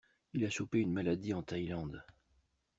Il a chopé une maladie en Thaïlande.